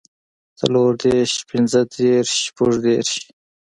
څلور دېرش پنځۀ دېرش شپږ دېرش